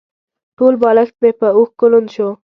ټول بالښت مې په اوښکو لوند شو.